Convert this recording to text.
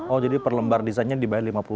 oh jadi per lembar desainnya dibayar lima puluh